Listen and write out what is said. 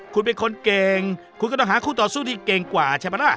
คุณเป็นคนเก่งคุณก็ต้องหาคู่ต่อสู้ที่เก่งกว่าใช่ไหมล่ะ